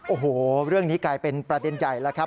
โอ้โหเรื่องนี้กลายเป็นประเด็นใหญ่แล้วครับ